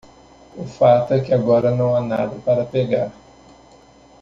O fato é que agora não há nada para pegar.